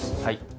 はい。